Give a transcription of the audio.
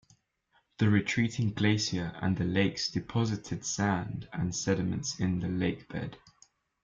The retreating glacier and the lakes deposited sand and sediments in the lakebed.